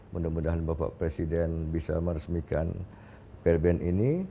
mudah mudahan bapak presiden bisa meresmikan plbn ini